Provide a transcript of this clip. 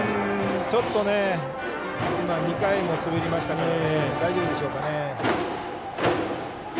ちょっと、２回も滑りましたから大丈夫でしょうか。